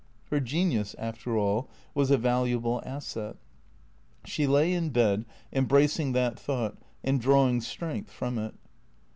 Her genius, after all, was a valuable asset. She lay in bed, embracing that thought, and drawing strength from it.